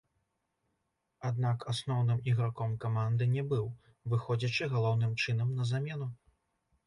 Аднак асноўным іграком каманды не быў, выходзячы галоўным чынам на замену.